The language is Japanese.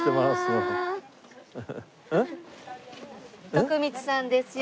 徳光さんですよ。